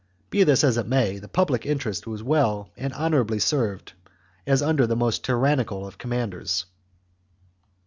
Be this as it may, the public interests were as well and honourably served as under the most tyrannical of commanders.